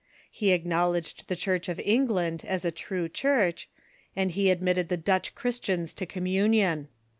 He acknowledged the Church of England as a true Church, and he admitted the Dutch Christians to communion.